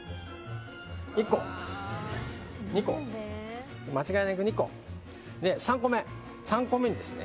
１個２個間違いなく２個で３個目３個目にですね